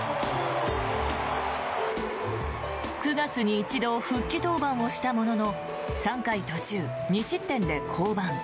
９月に一度復帰登板をしたものの３回途中２失点で降板。